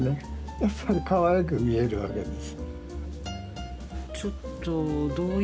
やっぱりかわいく見えるわけです。